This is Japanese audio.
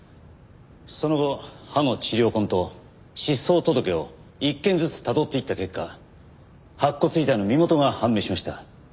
その後歯の治療痕と失踪届を１件ずつたどっていった結果白骨遺体の身元が判明しました。